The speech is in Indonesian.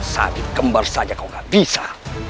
sabit kembar saja kau gak bisa